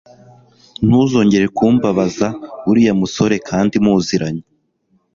Ntuzongere kumbabaza uriya musore kandi muziranye